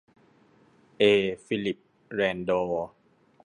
เอ ฟิลลิป แรนดอ